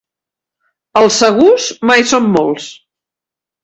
Els segurs mai són molts.